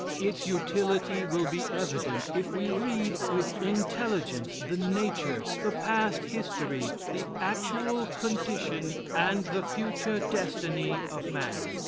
Its utility will be evident if we read, with intelligence, the nature, the past history, the actual condition, and the future destiny of man.